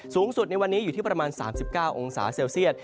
สูงสุดในวันนี้อยู่ที่ประมาณ๓๙องศาเซลเซียต